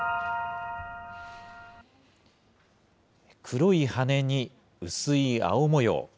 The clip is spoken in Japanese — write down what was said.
黒い羽に薄い青模様。